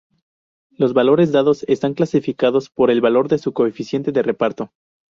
Los valores dados están clasificados por el valor de su coeficiente de reparto.